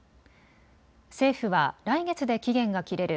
政府は来月で期限が切れる